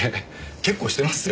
結構してますよ。